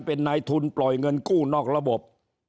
เป็นนายทุนปล่อยเงินกู้นอกระบบ